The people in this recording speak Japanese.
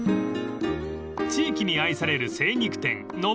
［地域に愛される精肉店］